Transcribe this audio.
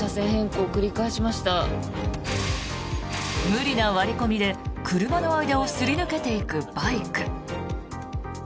無理な割り込みで車の間をすり抜けていくバイク。